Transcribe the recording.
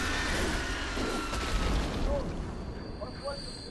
سندرغاړي نڅاگاني او سازونه،